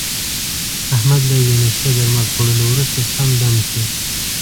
احمد له یوې نسخې درمل خوړلو ورسته، سم دم شو.